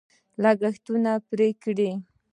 لګښتونه پرې کړي.